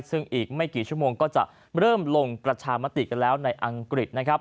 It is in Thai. ซึ่งอีกไม่กี่ชั่วโมงก็จะเริ่มลงประชามติกันแล้วในอังกฤษนะครับ